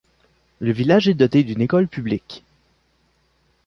Le village est doté d'une école publique.